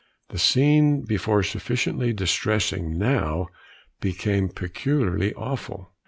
The scene, before sufficiently distressing, now became peculiarly awful.